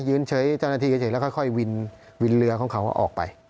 ยืนเฉยเจ้าหน้าที่เฉยแล้วค่อยวินเรือของเขาออกไป